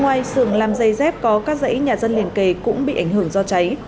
ngoài xưởng làm dây dép có các dãy nhà dân liền kề cũng bị ảnh hưởng do cháy